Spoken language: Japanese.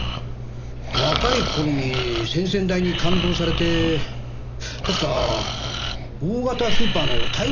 若い頃に先々代に勘当されて確か大型スーパーの台湾支店にいたそうだが。